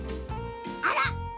あら！